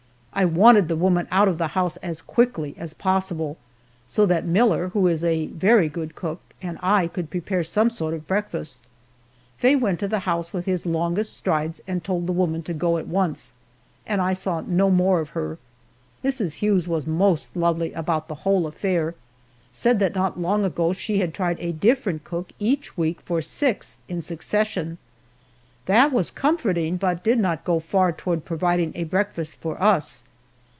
I wanted the woman out of the house as quickly as possible, so that Miller who is a very good cook and I could prepare some sort of a breakfast. Faye went to the house with his longest strides and told the woman to go at once, and I saw no more of her. Mrs. Hughes was most lovely about the whole affair said that not long ago she had tried a different cook each week for six in succession. That was comforting, but did not go far toward providing a breakfast for us.